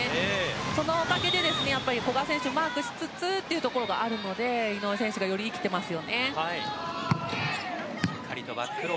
そのおかげで古賀選手をマークしつつというところがあるので井上選手がより生きています。